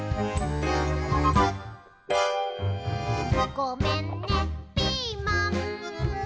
「ごめんねピーマン」